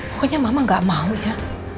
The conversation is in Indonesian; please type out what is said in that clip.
pokoknya mama gak mau ya